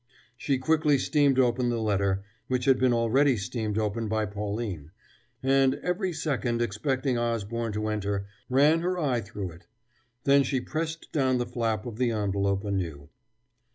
She quickly steamed open the letter which had been already steamed open by Pauline and, every second expecting Osborne to enter, ran her eye through it. Then she pressed down the flap of the envelope anew.